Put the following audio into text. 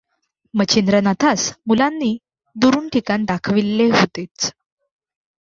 मच्छिंद्रनाथास मुलांनी दुरून ठिकाण दाखविले होतेच.